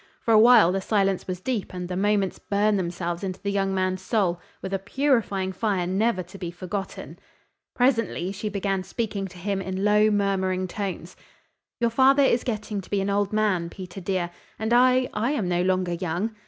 For a while the silence was deep and the moments burned themselves into the young man's soul with a purifying fire never to be forgotten. Presently she began speaking to him in low, murmuring tones: "Your father is getting to be an old man, Peter, dear, and I I am no longer young.